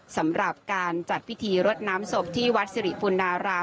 สำหรับการจัดพิธีรดน้ำศพที่วัดสิริปุณาราม